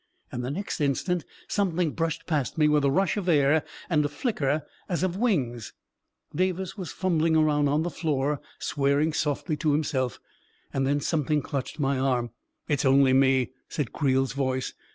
And the next instant, something brushed past me, with a rush of air, and a flicker as of wings ... Davis was fumbling around on the floor, swear ing softly to himself; and then something clutched my arm. 44 It's only me," said Creel's voice.